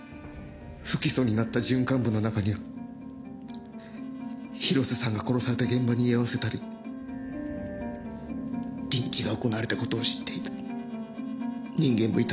不起訴になった準幹部の中には広瀬さんが殺された現場に居合わせたりリンチが行われた事を知っていた人間もいたはずだって。